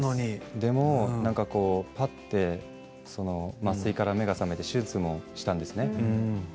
でもぱって麻酔から目が覚めて手術もしたんですね。